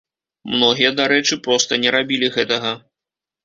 Многія, дарэчы, проста не рабілі гэтага.